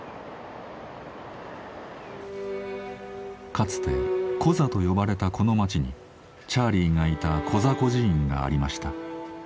かつて「コザ」と呼ばれたこの町にチャーリーがいたコザ孤児院がありました。